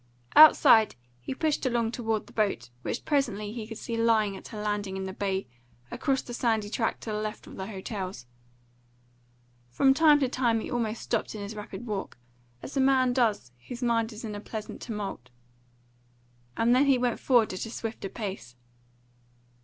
Outside, he pushed along toward the boat, which presently he could see lying at her landing in the bay, across the sandy tract to the left of the hotels. From time to time he almost stopped in his rapid walk, as a man does whose mind is in a pleasant tumult; and then he went forward at a swifter pace.